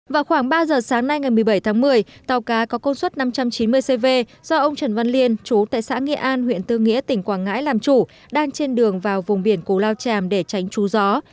vào khoảng ba giờ sáng nay ngày một mươi bảy tháng một mươi tàu cá có công suất năm trăm chín mươi cv do ông trần văn liên chú tại xã nghệ an huyện tư nghĩa tỉnh quảng ngãi làm chủ đang trên đường vào vùng biển củ lao tràm để tránh trú gió